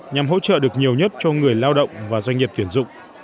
nhằm hỗ trợ được nhiều nhất cho người lao động và doanh nghiệp tuyển dụng